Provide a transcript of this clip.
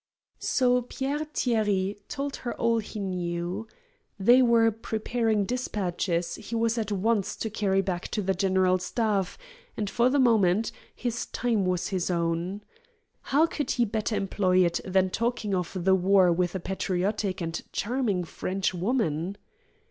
So Pierre Thierry told her all he knew. They were preparing despatches he was at once to carry back to the General Staff, and, for the moment, his time was his own. How could he better employ it than in talking of the war with a patriotic and charming French woman?